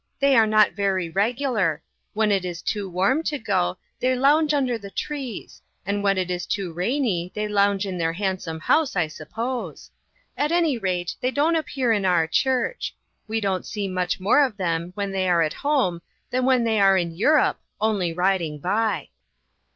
They are not very regular. When it is too warm to go, they lounge under the trees, and when it is too rainy they lounge in their handsome house, I suppose. At any rate, they don't appear in our church. We don't see much more of them when they are at home than when they are in Europe, only riding by."